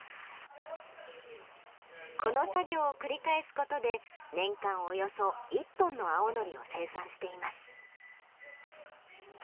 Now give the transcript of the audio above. この作業を繰り返す事で年間およそ１トンの青のりを生産しています。